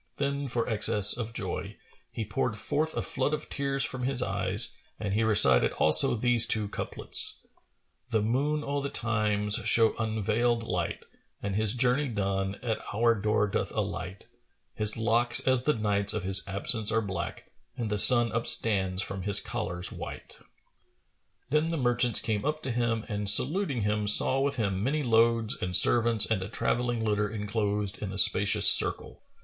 Then, for excess of joy, he poured forth a flood of tears from his eyes and he recited also these two couplets, "The Moon o' the Time,[FN#440] shows unveilиd light; * And, his journey done, at our door doth alight: His locks as the nights of his absence are black * And the sun upstands from his collar's[FN#441] white." Then the merchants came up to him and saluting him, saw with him many loads and servants and a travelling litter enclosed in a spacious circle.